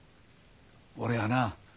俺はな